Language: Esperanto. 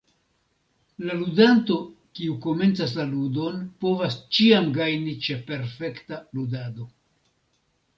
La ludanto, kiu komencas la ludon povas ĉiam gajni ĉe perfekta ludado.